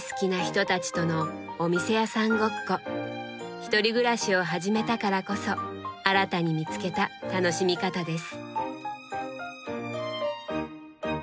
ひとり暮らしを始めたからこそ新たに見つけた楽しみ方です。